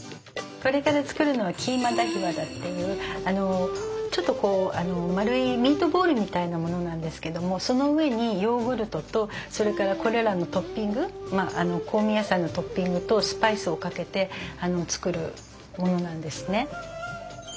これから作るのは「キーマダヒワダ」っていうちょっと丸いミートボールみたいなものなんですけどもその上にヨーグルトとそれからこれらのトッピング香味野菜のトッピングとスパイスをかけて作るものなんですね。